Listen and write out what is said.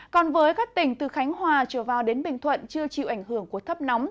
còn với các tỉnh từ khánh hòa trở vào đến bình thuận chưa chịu ảnh hưởng của thấp nóng